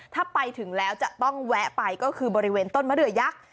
ถ้าไปถึงแล้วจะต้องแวะไปก็คือบริเวณต้นมะเดือยักษ์